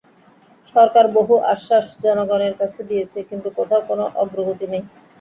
সরকার বহু আশ্বাস জনগণের কাছে দিয়েছে, কিন্তু কোথাও কোনো অগ্রগতি নেই।